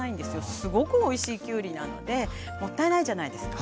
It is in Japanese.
すごくおいしいきゅうりなのでもったいないじゃないですか。